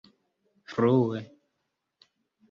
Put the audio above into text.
frue